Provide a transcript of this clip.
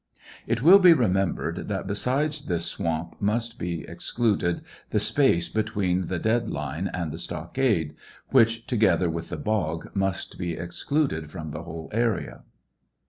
It will be remembered that besides this swamp must be excluded the space between the dead line and the stockade, which, together with the bog, must be excluded from the whole area.